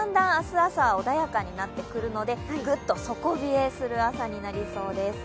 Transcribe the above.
朝穏やかになってくるので、ぐっと底冷えする朝になりそうです。